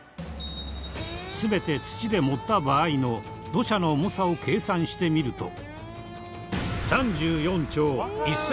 全て土で盛った場合の土砂の重さを計算してみると。